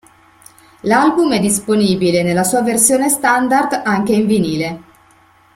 L'album è disponibile nella sua versione standard anche in vinile.